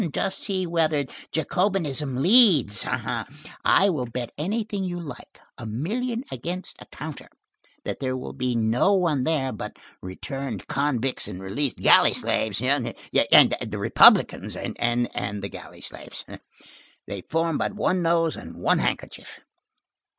Just see whither Jacobinism leads. I will bet anything you like, a million against a counter, that there will be no one there but returned convicts and released galley slaves. The Republicans and the galley slaves,—they form but one nose and one handkerchief.